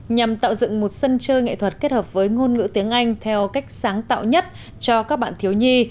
nhằm tạo dựng một sân chơi nghệ thuật kết hợp với ngôn ngữ tiếng anh theo cách sáng tạo nhất cho các bạn thiếu nhi